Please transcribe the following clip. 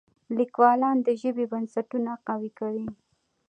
لیکوالان د ژبې بنسټونه قوي کوي.